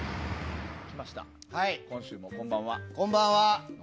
今週もこんばんは。